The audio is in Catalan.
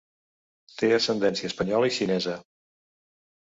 Té ascendència espanyola i xinesa.